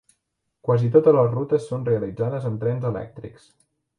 Quasi totes les rutes són realitzades amb trens elèctrics.